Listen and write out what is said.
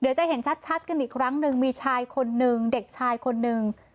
จะเห็นชัดกันอีกครั้งหนึ่งมีชายคนนึงเด็กชายคนนึง